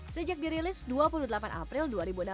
sejak dirilis dua puluh delapan april dua ribu enam belas